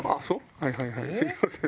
はいはいはいすいません。